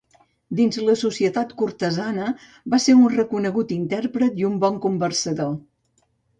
Dins la societat cortesana va ser un reconegut intèrpret i un bon conversador.